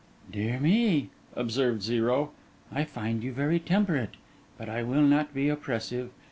'Dear me,' observed Zero, 'I find you very temperate. But I will not be oppressive.